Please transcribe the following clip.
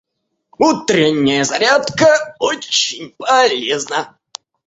Утренняя зарядка очень полезна.